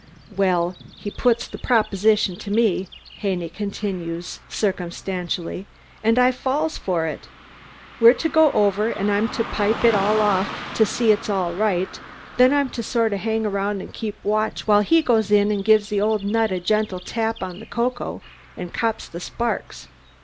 "Well, he puts the proposition to me," Haney continued circumstantially, "an' I falls for it. We're to go over, an' I'm to pipe it all off to see it's all right, then I'm to sort o' hang aroun' an' keep watch while he goes in an' gives the old nut a gentle tap on the coco, an' cops the sparks.